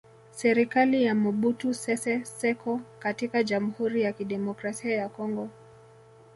Serikali ya Mobutu Sese Seko katika Jamhuri ya Kidemokrasia ya Kongo